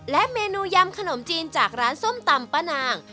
เมนูยำขนมจีนจากร้านส้มตำป้านาง